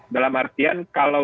dalam artian kalau